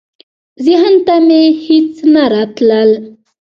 ذهن ته مي هیڅ نه راتلل .